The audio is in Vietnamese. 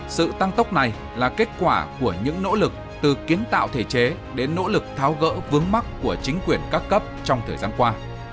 sự tăng tốc này là kết quả của những nỗ lực từ kiến tạo thể chế đến nỗ lực tháo gỡ vướng mắt của chính quyền các cấp trong thời gian qua